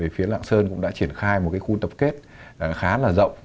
phía lạng sơn cũng đã triển khai một khu tập kết khá rộng